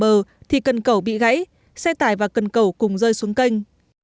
trong lúc trục vất xe tải lên khỏi mặt nước đưa vào bờ thì cần cầu bị gãy xe tải và cần cầu cùng rơi xuống kênh